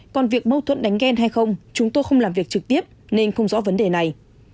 còn việc mâu thuẫn đánh ghen hay không chúng tôi không làm việc trực tiếp nên không rõ vấn đề này